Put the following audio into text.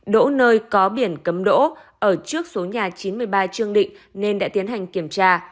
đỗ nơi có biển cấm đỗ ở trước số nhà chín mươi ba trương định nên đã tiến hành kiểm tra